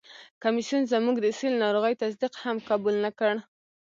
کمیسیون زموږ د سِل ناروغي تصدیق هم قبول نه کړ.